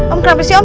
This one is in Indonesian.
om kenapa sih om